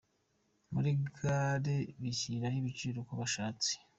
Muri Gare bishyiriraho ibiciro uko bashatse